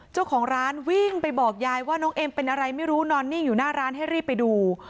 เจ้าของร้านวิ่งไปบอกยายว่าน้องเอ็มเป็นอะไรไม่รู้นอนนิ่งอยู่หน้าร้านให้รีบไปดู